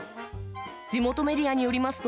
地元メディアによりますと、